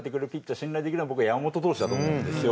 信頼できるのは僕は山本投手だと思うんですよ。